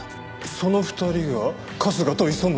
その２人が春日と磯村って事か？